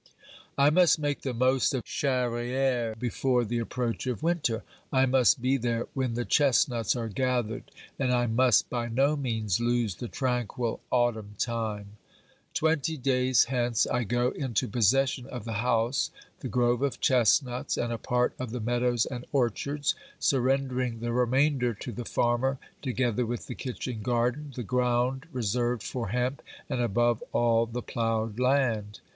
I must make the most of Charrieres before the approach of winter. I must be there when the chestnuts are gathered, and I must by no means lose the tranquil autumn time. Twenty days hence I go into possession of the house, the grove of chestnuts and a part of the meadows and orchards, surrendering the remainder to the farmer, to gether with the kitchen garden, the ground reserved for hemp, and above all the ploughed land.